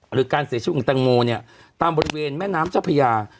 หรือการเสียชีวิตของแตงโมเนี่ยตามบริเวณแม่น้ำเจ้าพญา